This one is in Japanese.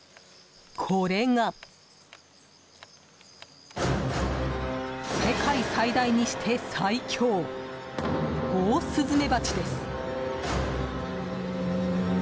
これが、世界最大にして最凶オオスズメバチです。